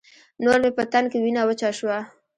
نور مې په تن کې وينه وچه شوه.